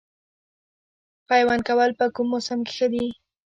پیوند کول په کوم موسم کې ښه دي؟